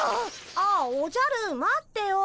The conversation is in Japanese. ああおじゃる待ってよ。